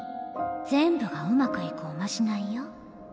全部がうまくいくおまじないよ。